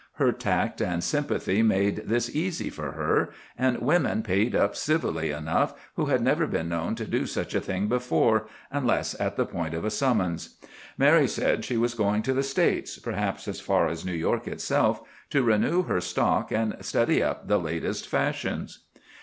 Her tact and sympathy made this easy for her, and women paid up civilly enough who had never been known to do such a thing before, unless at the point of a summons. Mary said she was going to the States, perhaps as far as New York itself, to renew her stock and study up the latest fashions.